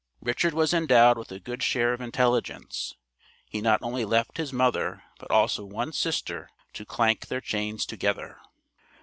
Richard was endowed with a good share of intelligence. He not only left his mother but also one sister to clank their chains together.